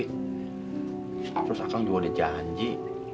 terus akang juga udah janji